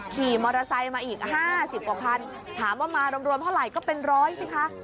ขี่มอเตอร์ไซค์มาอีก๕๐กว่าคันถามว่ามารวมเท่าไหร่ก็เป็นร้อยสิคะ